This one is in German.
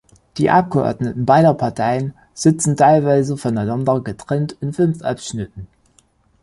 Die Abgeordneten beider Parteien sitzen teilweise voneinander getrennt in fünf Abschnitten.